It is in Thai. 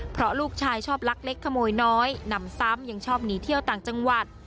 เพราะลูกชายชอบลักเล็กขโมยน้อยนำซ้ำยังชอบหนีเที่ยวต่างจังหวัด